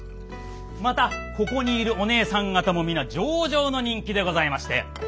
またここにいるお姐さん方も皆上々の人気でございまして。